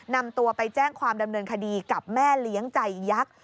นำตัวไปแจ้งความดำเนินคดีกับแม่เลี้ยงใจยักษ์